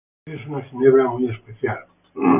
Es una ginebra muy especial.